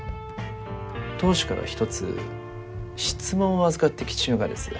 当主から一つ質問を預かってきちゅうがです。